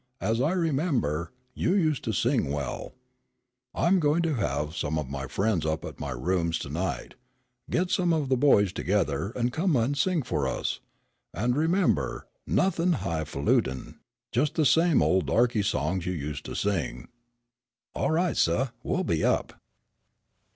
As I remember, you used to sing well. I'm going to have some of my friends up at my rooms to night; get some of the boys together, and come and sing for us. And remember, nothing hifalutin; just the same old darky songs you used to sing." "All right, suh, we'll be up."